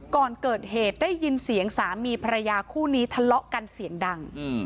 ก่อนเกิดเหตุได้ยินเสียงสามีภรรยาคู่นี้ทะเลาะกันเสียงดัง